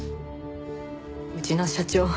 うちの社長